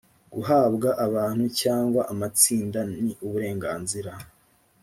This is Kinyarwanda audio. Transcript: guhabwa abantu cyangwa amatsinda ni uburenganzira